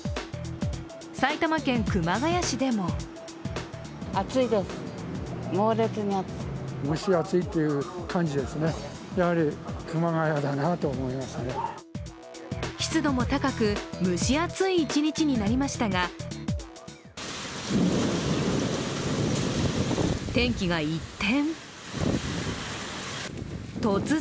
埼玉県熊谷市でも湿度も高く、蒸し暑い一日になりましたが天気が一転。